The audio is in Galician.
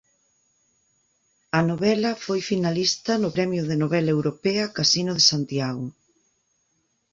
A novela foi finalista no Premio de Novela Europea Casino de Santiago.